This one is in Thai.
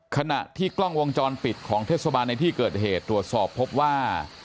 ขณะที่กล้องวงจรปิดของเทศบาลในที่เกิดเหตุตรวจสอบพบว่า